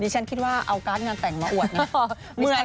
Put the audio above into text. ฉันคิดว่าเอาการ์ดงานแต่งมาอวดนะ